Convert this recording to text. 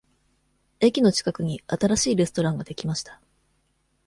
駅の近くに新しいレストランができました。